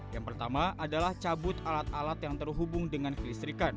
yang pertama adalah cabut alat alat yang terhubung dengan kelistrikan